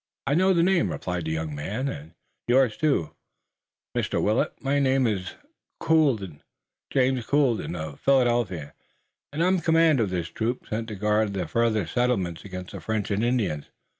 "I know the name," replied the young man, "and yours too, Mr. Willet. My own is Colden, James Colden of Philadelphia, and I am in command of this troop, sent to guard the farthest settlements against the French and Indians.